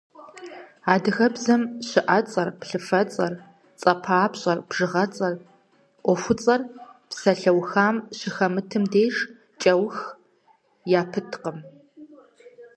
Адыгэбзэм щыӏэцӏэр, плъыфэцӏэр, цӏэпапщӏэр, бжыгъэцӏэр, ӏуэхуцӏэр псалъэухам щыхэмытым деж кӏэух япыткъым.